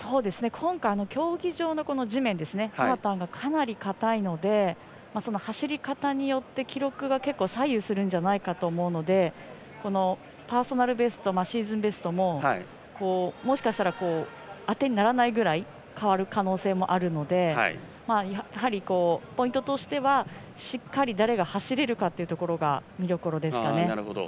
今回、競技場の地面がかなり硬いので、走り方によって記録が結構左右するんじゃないかと思うのでパーソナルベストシーズンベストももしかしたらあてにならないくらい変わる可能性もあるのでやはり、ポイントとしてはしっかり誰が走れるかというところが見どころですかね。